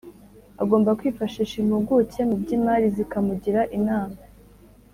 Agomba kwifashisha impuguke mu by’imari zikamugira inama